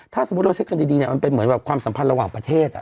ถ้าสมมุติเราเช็คกันดีเนี่ยมันเป็นเหมือนแบบความสัมพันธ์ระหว่างประเทศ